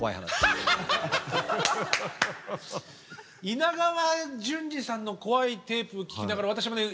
稲川淳二さんの怖いテープを聴きながら私もね